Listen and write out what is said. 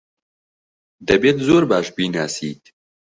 دەبێت زۆر باش بیناسیت.